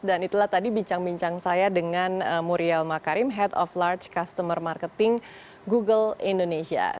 itulah tadi bincang bincang saya dengan murial makarim head of large customer marketing google indonesia